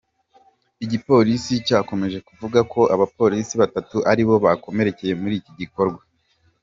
Igipolisi cyakomeje kivuga ko abapolisi batatu aribo bakomerekeye muri icyo gikorwa.